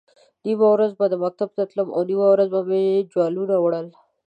نیمه ورځ به مکتب ته تلم او نیمه ورځ به مې جوالونه وړل.